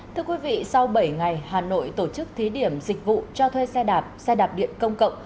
thưa quý vị sau bảy ngày hà nội tổ chức thí điểm dịch vụ cho thuê xe đạp xe đạp điện công cộng